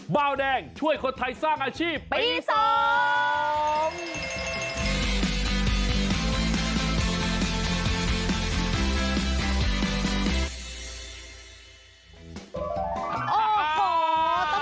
บ้าวแดงช่วยคนไทยสร้างอาชีพปีสองปีสอง